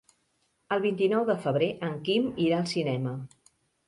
El vint-i-nou de febrer en Quim irà al cinema.